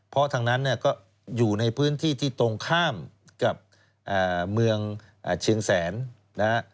เพราะทั้งนั้นก็อยู่ในพื้นที่ที่ตรงข้ามกับเมืองเชียงแสน